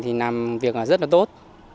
thì làm việc rất là tốt